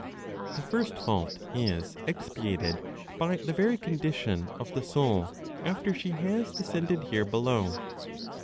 The first fault is expiated by the very condition of the soul after she has descended here below.